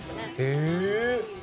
へえ！